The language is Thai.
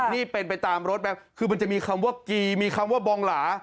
นี่เป็นไปตามรถไหมคือมันจะมีคำว่ากีมีคำว่าบองหลา